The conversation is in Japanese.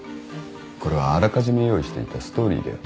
これはあらかじめ用意していたストーリーだよ。